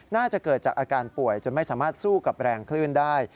น่าจะเกิดจากอาการป่วยจนไม่สามารถสู้กับแรงคลื่นได้